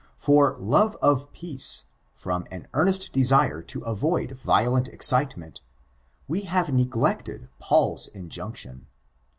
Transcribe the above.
For love of peace — ^from an earnest desire to avoid violent excitement, we have neglected Paul's injunction.